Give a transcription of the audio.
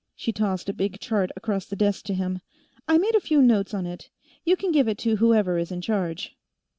She tossed a big chart across the desk to him. "I made a few notes on it; you can give it to whoever is in charge."